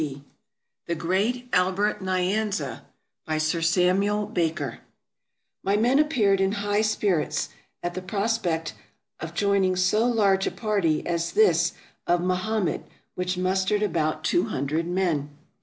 AFRICA The Great Albert Nyanza By SIR SAMUEL BAKER MY men appeared in high spirits at the prospect of joining so large a party as that of Mahamed, which mus tered about two hundred men.